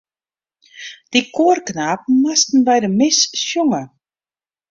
Dy koarknapen moasten by de mis sjonge.